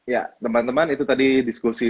ya teman teman itu tadi diskusi